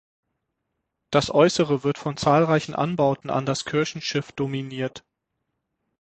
Das Äußere wird von zahlreichen Anbauten an das Kirchenschiff dominiert.